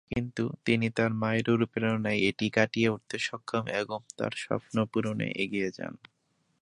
কিন্তু তিনি তার মায়ের অনুপ্রেরণায় এটি কাটিয়ে উঠতে সক্ষম হন এবং তার স্বপ্ন পূরণে এগিয়ে যান।